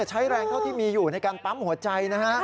ใช้แรงเท่าที่มีอยู่ในการปั๊มหัวใจนะฮะ